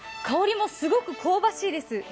香りもすごく香ばしいです